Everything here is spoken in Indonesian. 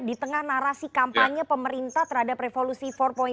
di tengah narasi kampanye pemerintah terhadap revolusi empat